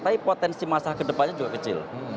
tapi potensi masalah kedepannya juga kecil